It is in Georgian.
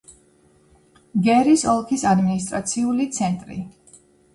გერის ოლქის ადმინისტრაციული ცენტრი.